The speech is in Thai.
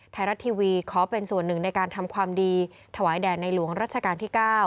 ไทยรัฐทีวีขอเป็นส่วนหนึ่งในการทำความดีถวายแด่ในหลวงรัชกาลที่๙